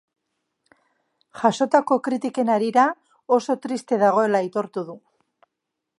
Jasotako kritiken harira, oso triste dagoela aitortu du.